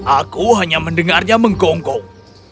aku hanya mendengarnya menggonggong